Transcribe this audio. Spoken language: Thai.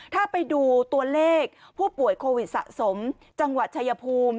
ถ้าไปดูตัวเลขผู้ป่วยโควิดสะสมจังหวัดชายภูมิ